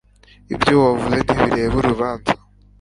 Ibyo wavuze ntibireba uru rubanza.